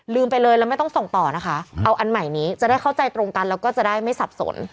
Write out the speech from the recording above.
ไปเลยแล้วไม่ต้องส่งต่อนะคะเอาอันใหม่นี้จะได้เข้าใจตรงกันแล้วก็จะได้ไม่สับสน